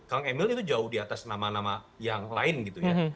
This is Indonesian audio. kang emil itu jauh di atas nama nama yang lain gitu ya